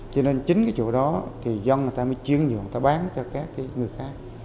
cho nên chính cái chỗ đó thì dân người ta mới chuyên dụng người ta bán cho các người khác